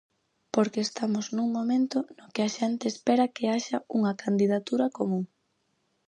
Porque estamos nun momento no que a xente espera que haxa unha candidatura común.